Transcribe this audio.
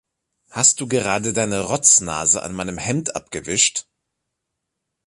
Hast du gerade deine Rotznase an meinem Hemd abgewischt?